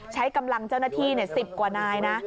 ใช้กำลังเจ้าหน้าที่๑๐กว่านายนะ